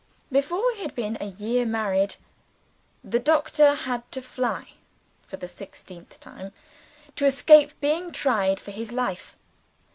Before we had been a year married, the Doctor had to fly (for the sixteenth time) to escape being tried for his life.